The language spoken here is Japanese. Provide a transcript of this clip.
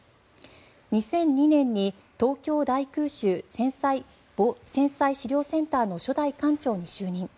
２００２年に東京大空襲・戦災資料センターの初代館長に就任。